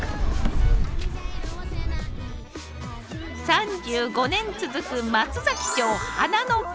３５年続く松崎町花の会。